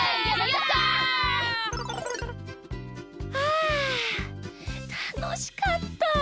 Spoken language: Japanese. あたのしかった！